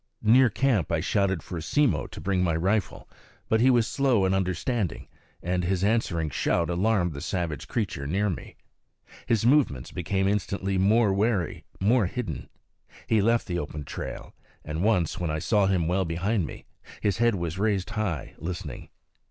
Near camp I shouted for Simmo to bring my rifle; but he was slow in understanding, and his answering shout alarmed the savage creature near me. His movements became instantly more wary, more hidden. He left the open trail; and once, when I saw him well behind me, his head was raised high, listening.